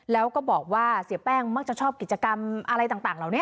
แล้วก็บอกว่าเสียแป้งมักจะชอบกิจกรรมอะไรต่างเหล่านี้